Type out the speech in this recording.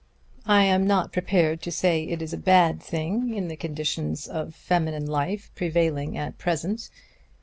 I am not prepared to say it is a bad thing in the conditions of feminine life prevailing at present.